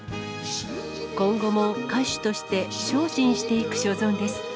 今後も歌手として精進していく所存です。